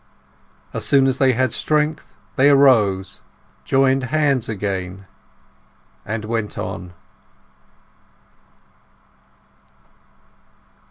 As soon as they had strength, they arose, joined hands again, and went on.